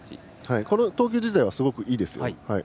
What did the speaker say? この投球自体はすごくいいですよ。